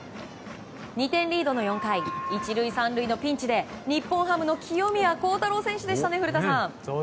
２点リードの４回１塁３塁のピンチで日本ハムの清宮幸太郎選手でしたね古田さん。